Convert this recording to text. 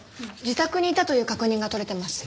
自宅にいたという確認が取れてます。